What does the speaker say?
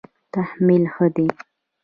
تحمل ښه دی.